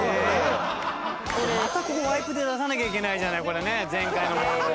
またここワイプで出さなきゃいけないじゃないこれね前回のものを。